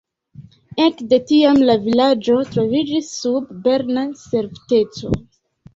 Ek de tiam la vilaĝo troviĝis sub berna servuteco.